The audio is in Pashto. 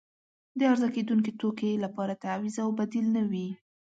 د عرضه کیدونکې توکي لپاره تعویض او بدیل نه وي.